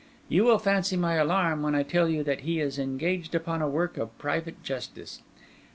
You will fancy my alarm when I tell you that he is engaged upon a work of private justice.